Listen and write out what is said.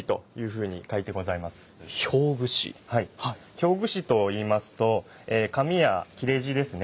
表具師といいますと紙や裂地ですね